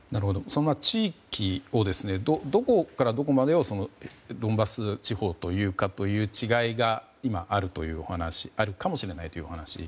その地域をどこからどこまでをドンバス地方というかという違いが今あるかもしれないというお話。